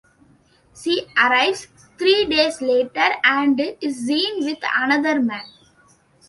She arrives "three days later" and is seen with another man.